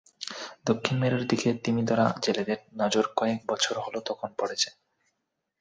দক্ষিণ মেরুর দিকে তিমি ধরা জেলেদের নজর কয়েক বছর হলো তখন পড়েছে।